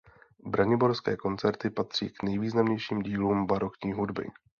Braniborské koncerty patří k nejvýznamnějším dílům barokní hudby.